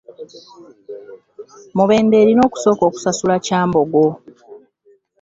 Mubende erina okusooka okusasula Kyambogo